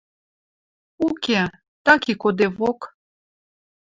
Уке, так и кодевок.